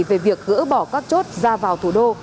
về việc gỡ bỏ các chốt ra vào thủ đô